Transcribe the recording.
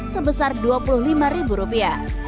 sebesar dua puluh lima ribu rupiah